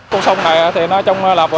công sông này thì nó trông là